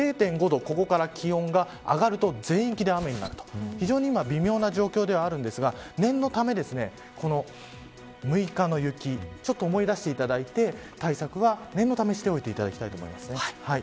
０．５度ここから気温が上がると全域で雨になると、非常に微妙な状況ですが、念のため６日の雪を思い出していただいて対策は念のためにしていただきたいと思います。